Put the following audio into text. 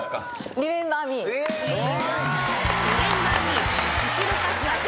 『リメンバー・ミー』正解。